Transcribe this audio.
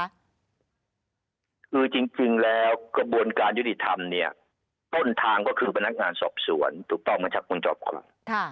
คือจริงแล้วกระบวนการยุติธรรมเนี่ยต้นทางก็คือพนักงานสอบสวนถูกต้องไหมครับคุณจอบขวัญ